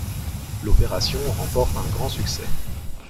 L'opération remporte un grand succès.